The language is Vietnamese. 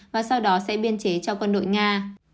và sau đó sẽ biên chế cho quân đội nga